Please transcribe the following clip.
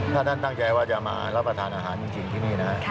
ถ้าท่านตั้งใจว่าจะมารับประทานอาหารจริงที่นี่นะ